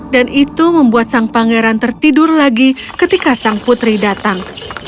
dan itu membuat sang pangeran tertidur lagi ketika sang putri datang